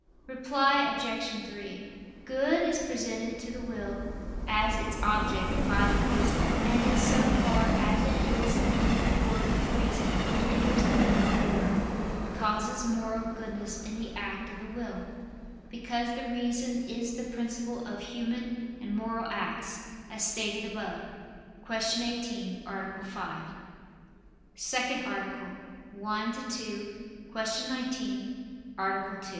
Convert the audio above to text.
Reply Obj. 3: Good is presented to the will as its object by the reason: and in so far as it is in accord with reason, it enters the moral order, and causes moral goodness in the act of the will: because the reason is the principle of human and moral acts, as stated above (Q. 18, A. 5). ________________________ SECOND ARTICLE [I II, Q. 19, Art.